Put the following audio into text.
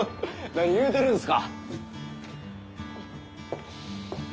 何言うてるんですか。